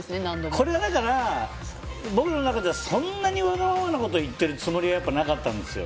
これは、僕の中ではそんなにわがままなことを言っているつもりはなかったんですよ。